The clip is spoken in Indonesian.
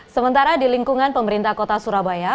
sementara di lingkungan pemerintah kota surabaya